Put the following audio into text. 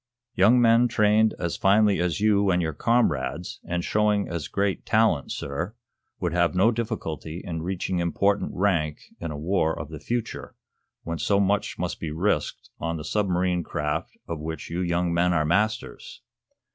Young men trained as finely as you and your comrades, and showing as great talent, sir, would have no difficulty in reaching important rank in a war of the future, when so much must be risked on the submarine craft of which you young men are masters."